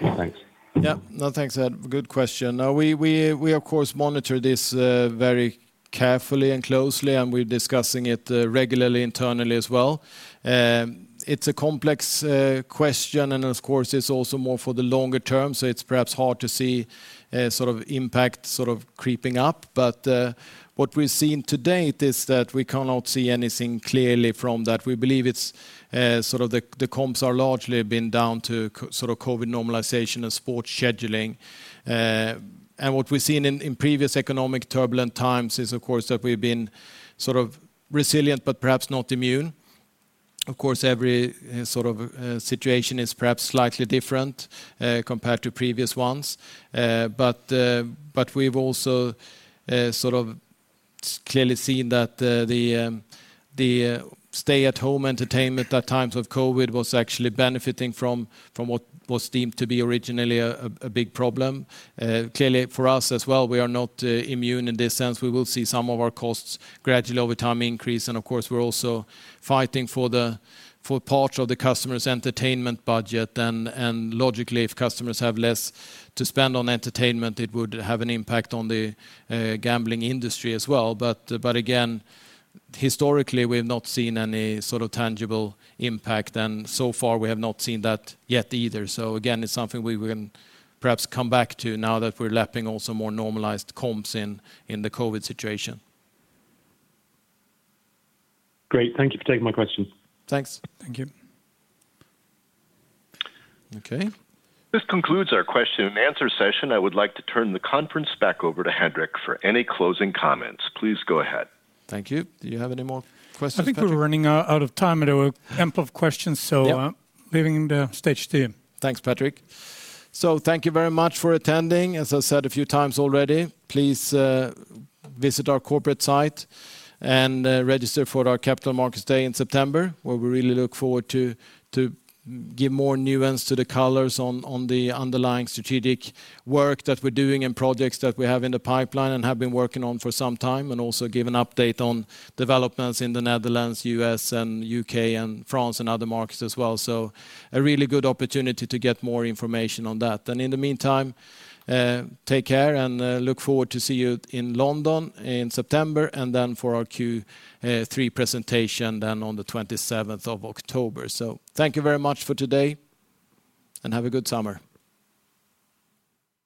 Thanks. Yeah. No, thanks, Ed. Good question. Now we of course monitor this very carefully and closely, and we're discussing it regularly internally as well. It's a complex question and of course, it's also more for the longer term. It's perhaps hard to see a sort of impact sort of creeping up. What we're seeing to date is that we cannot see anything clearly from that. We believe it's sort of the comps are largely been down to co-sort of COVID normalization of sports scheduling. What we've seen in previous economic turbulent times is, of course, that we've been sort of resilient but perhaps not immune. Of course, every sort of situation is perhaps slightly different compared to previous ones. We've also sort of clearly seen that the stay at home entertainment at times of COVID was actually benefiting from what was deemed to be originally a big problem. Clearly for us as well, we are not immune in this sense. We will see some of our costs gradually over time increase. Of course, we're also fighting for part of the customer's entertainment budget. Logically, if customers have less to spend on entertainment, it would have an impact on the gambling industry as well. Again, historically, we have not seen any sort of tangible impact, and so far we have not seen that yet either. Again, it's something we can perhaps come back to now that we're lapping also more normalized comps in the COVID situation. Great. Thank you for taking my question. Thanks. Thank you. Okay. This concludes our question and answer session. I would like to turn the conference back over to Henrik for any closing comments. Please go ahead. Thank you. Do you have any more questions, Patrick? I think we're running out of time and we have ample of questions. Yeah. Leaving the stage to you. Thanks, Patrick. Thank you very much for attending. As I said a few times already, please visit our corporate site and register for our Capital Markets Day in September, where we really look forward to give more nuance to the colors on the underlying strategic work that we're doing and projects that we have in the pipeline and have been working on for some time, and also give an update on developments in the Netherlands, U.S., and U.K., and France, and other markets as well. A really good opportunity to get more information on that. In the meantime, take care and look forward to see you in London in September and then for our Q3 presentation then on the twenty-seventh of October. Thank you very much for today and have a good summer.